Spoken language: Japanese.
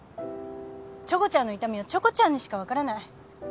チョコちゃんの痛みはチョコちゃんにしか分からない。